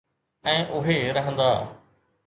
۽ اھي رھندا